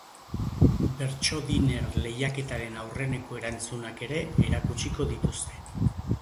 Bertsodinner lehiaketaren aurreneko erantzunak ere erakutsiko dituzte.